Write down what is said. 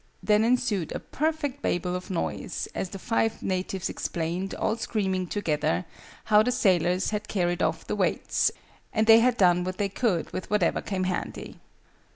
Then ensued a perfect Babel of noise, as the five natives explained, all screaming together, how the sailors had carried off the weights, and they had done what they could with whatever came handy.